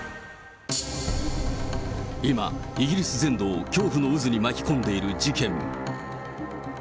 今、イギリス全土を恐怖の渦に巻き込んでいる事件。